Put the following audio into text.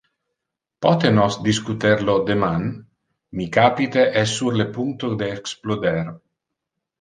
Pote nos discuter lo deman? Mi capite es sur le puncto de exploder.